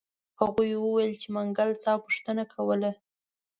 هغوی وویل چې منګل صاحب پوښتنه کوله.